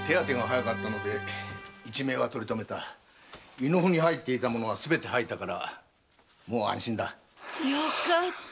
胃の腑に入っていたものはすべて吐いたからもう安心だ。よかった。